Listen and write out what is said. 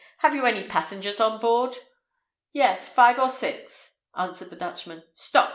"Have you any passengers on board?" "Yes, five or six," answered the Dutchman. "Stop!